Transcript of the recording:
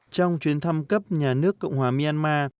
trong chuyến thăm cấp nhà nước cộng hòa myanmar